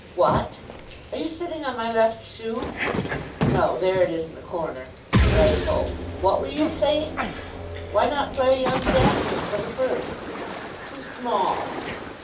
"What? Are you sitting on my left shoe?" "No. There it is in the corner." "Right ho!... What were you saying?" "Why not play young Jackson for the first?" "Too small."